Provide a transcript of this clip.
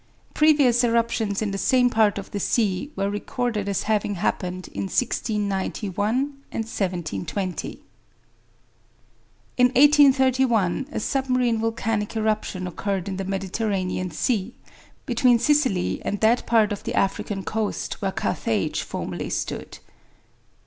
Previous eruptions in the same part of the sea were recorded as having happened in 1691 and 1720. In 1831, a submarine volcanic eruption occurred in the Mediterranean Sea, between Sicily and that part of the African coast where Carthage formerly stood.